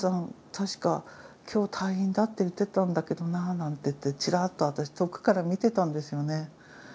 確か今日退院だって言ってたんだけどななんてちらっと私遠くから見てたんですよね。